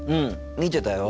見てたよ。